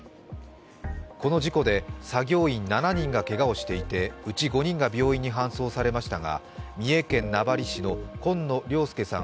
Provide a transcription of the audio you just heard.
この事故で作業員７人がけがをしていてうち５人が病院に搬送されましたが三重県名張市の紺野良介さん